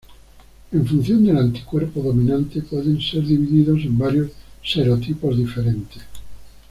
En función del anticuerpo dominante pueden ser divididos en varios serotipos diferentes.